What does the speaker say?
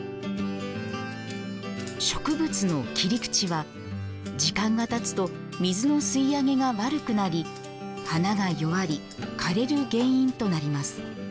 植物の切り口は、時間がたつと水の吸い上げが悪くなり花が弱り、枯れる原因となります。